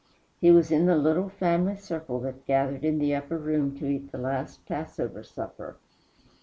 He was in the little family circle that gathered in the upper room to eat the last passover supper.